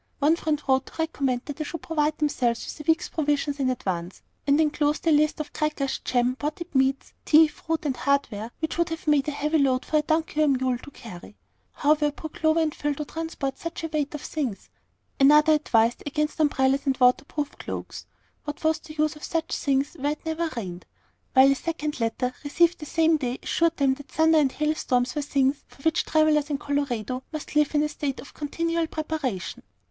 One friend wrote to recommend that they should provide themselves with a week's provisions in advance, and enclosed a list of crackers, jam, potted meats, tea, fruit, and hardware, which would have made a heavy load for a donkey or mule to carry. How were poor Clover and Phil to transport such a weight of things? Another advised against umbrellas and water proof cloaks, what was the use of such things where it never rained? while a second letter, received the same day, assured them that thunder and hail storms were things for which travellers in Colorado must live in a state of continual preparation.